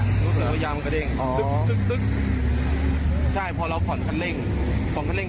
รู้สึกว่ายามันก็เด้งอ๋อตึ๊กตึ๊กใช่พอเราผ่อนขันเร่ง